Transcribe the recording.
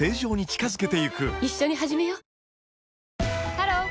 ハロー！